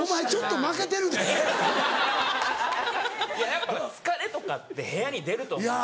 やっぱ疲れとかって部屋に出ると思うんです。